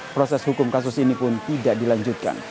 proses hukum kasus ini pun tidak dilanjutkan